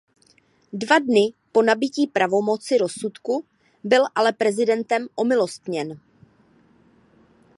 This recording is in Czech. Dva dny po nabytí pravomoci rozsudku byl ale prezidentem omilostněn.